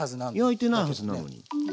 焼いてないはずなのに。